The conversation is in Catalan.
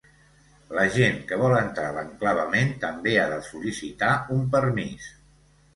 La gent que vol entrar a l'enclavament també ha de sol·licitar un permís.